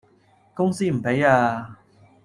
公司唔畀呀